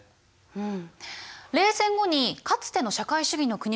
うん。